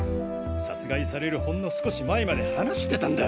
殺害されるほんの少し前まで話してたんだ。